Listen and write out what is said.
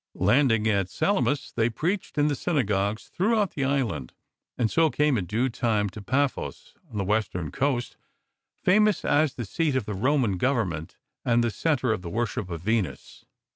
Landing at Salamis, they pleached in the synagogues throughout the island, and so came in due time to Paphos on the western coast, famous as the seat of the 35 I 36 LIFE OF ST. PAUL Roman Government, and the centre of tlie worship of Venus.